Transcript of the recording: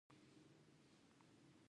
آیا د کاشان او قم غالۍ هم مشهورې نه دي؟